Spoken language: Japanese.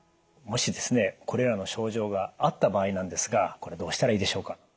もしですねこれらの症状があった場合なんですがこれどうしたらいいでしょうか？